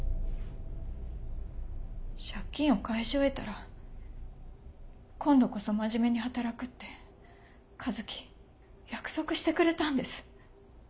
借金を返し終えたら今度こそ真面目に働くって和樹約束してくれたんです。